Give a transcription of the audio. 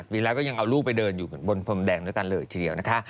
ปีแล้วก็ยังเอาลูกไปเดินอยู่บนพรมแดงด้วยกันเลยทีเดียวนะคะ